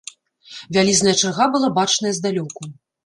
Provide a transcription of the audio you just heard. Вялізная чарга была бачная здалёку.